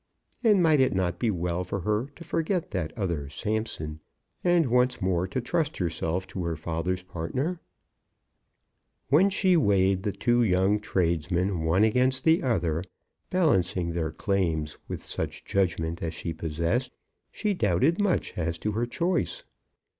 And might it not be well for her to forget that other Samson, and once more to trust herself to her father's partners? When she weighed the two young tradesmen one against the other, balancing their claims with such judgment as she possessed, she doubted much as to her choice.